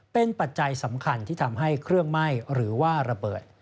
เป็นปัจจัยสำคัญที่ทำให้เครื่องไหม้หรือว่าระเบิด